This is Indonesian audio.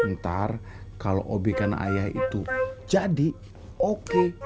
ntar kalau obyekan ayah itu jadi oke